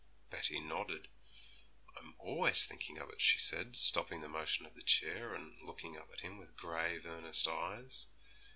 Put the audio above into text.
Betty nodded. 'I'm always thinking of it,' she said, stopping the motion of the chair, and looking up at him with grave, earnest eyes.